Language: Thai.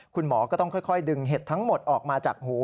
คุณหมอก็ต้องค่อยดึงเห็ดทั้งหมดออกมาจากหู